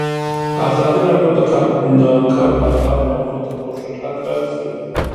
ازادي راډیو د د کار بازار موضوع تر پوښښ لاندې راوستې.